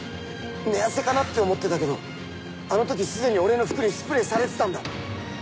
寝汗かなって思ってたけどあの時既に俺の服にスプレーされてたんだ！